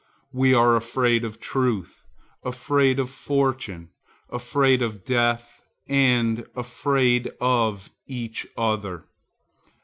We are afraid of truth, afraid of fortune, afraid of death and afraid of each other.